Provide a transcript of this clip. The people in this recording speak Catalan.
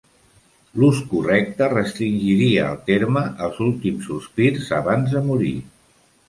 L'ús correcte restringiria el terme als últims sospirs abans de morir.